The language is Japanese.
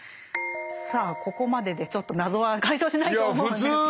さあここまででちょっと謎は解消しないと思うんですけど。